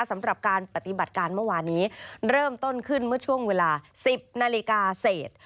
สำหรับการปฏิบัติการเมื่อวานี้เริ่มต้นขึ้นเมื่อช่วงเวลา๑๐นาฬิกาเศษ